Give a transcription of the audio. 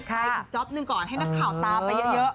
ไปอีกจ๊อปหนึ่งก่อนให้นักข่าวตามไปเยอะ